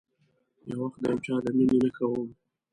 یو وخت د یو چا د میینې نښه وم